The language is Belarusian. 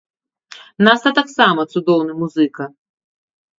Наста таксама цудоўны музыка.